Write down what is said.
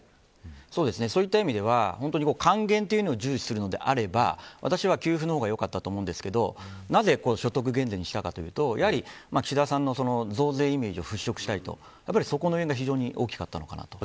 そうですね、そういった意味では還元を重視するのであれば私は給付の方がよかったと思いますがなぜ所得減税にしたかというと岸田さんの増税イメージを払拭したいとそこが大きかったのかなと。